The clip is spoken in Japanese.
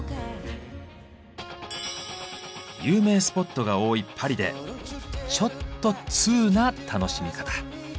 有名スポットが多いパリでちょっとツウな楽しみ方。